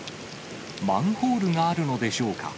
マンホールがあるのでしょうか。